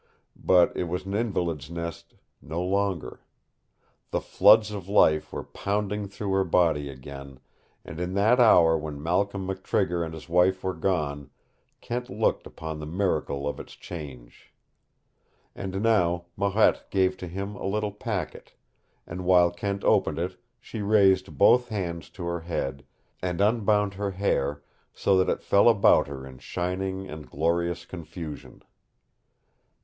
But it was an invalid's nest no longer. The floods of life were pounding through her body again, and in that hour when Malcolm McTrigger and his wife were gone, Kent looked upon the miracle of its change. And now Marette gave to him a little packet, and while Kent opened it she raised both hands to her head and unbound her hair so that it fell about her in shining and glorious confusion.